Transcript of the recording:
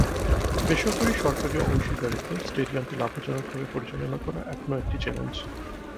বেসরকারি-সরকারি অংশীদারিত্বে স্টেডিয়ামটি লাভজনকভাবে পরিচালনা করা এখনও একটি চ্যালেঞ্জ।